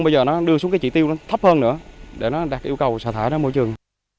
bây giờ nó đưa xuống cái chỉ tiêu nó thấp hơn nữa để nó đạt yêu cầu xả thải ra môi trường